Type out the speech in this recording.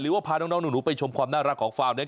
หรือว่าพาน้องหนูไปชมความน่ารักของฟาวน์นี้